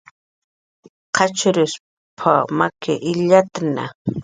"qachwirp""as maki, illt'atna"